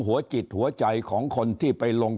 หัวจิตหัวใจของคนที่ไปลง